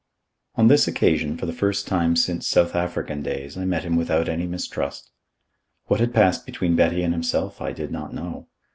On this occasion, for the first time since South African days, I met him without any mistrust. What had passed between Betty and himself, I did not know.